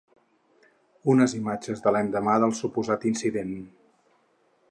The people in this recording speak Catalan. Unes imatges de l’endemà del suposat incident.